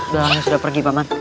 belalangnya sudah pergi paman